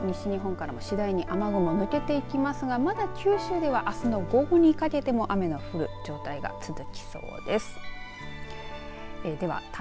午後になると西日本からも次第に雨雲抜けていきますがまだ九州ではあすの午後にかけても雨が降る状態が続きそうです。